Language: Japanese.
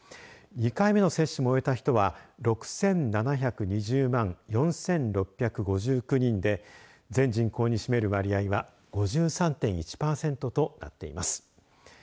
２回目の接種も終えた人は６７２０万４６５９人で全人口に占める割合は５３．１パーセントとなっています。